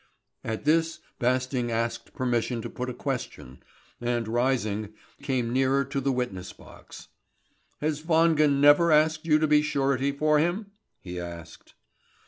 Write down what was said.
At this Basting asked permission to put a question, and rising, came nearer to the witness box. "Has Wangen never asked you to be surety for him?" he asked.